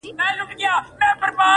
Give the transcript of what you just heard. o د خوار کور له دېواله معلومېږي!